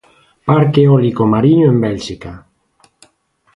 Parque eólico mariño en Bélxica.